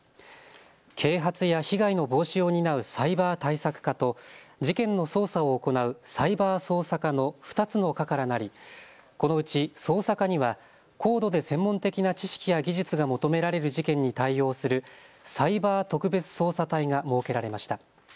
啓発や被害の防止を担うサイバー対策課と事件の捜査を行うサイバー捜査課の２つの課からなりこのうち捜査課には高度で専門的な知識や技術が求められる事件に対応するサイバー特別捜査隊が設けられました。